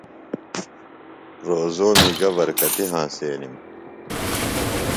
روزومی گہ برکتیۡ ہنسنِم؟ ص